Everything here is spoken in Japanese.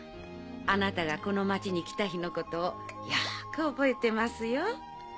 あなたがこの町に来た日のことをよく覚えてますよ。